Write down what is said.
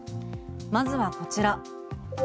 まずはこちら。